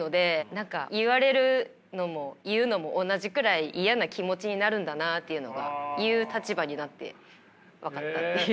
何か言われるのも言うのも同じくらい嫌な気持ちになるんだなあっていうのが言う立場になって分かったっていう。